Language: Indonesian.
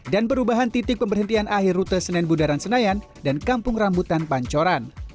dan perubahan titik pemberhentian akhir rute senenbudaran senayan dan kampung rambutan pancoran